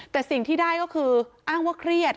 แต่สิ่งที่ได้ก็คืออ้างว่าเครียด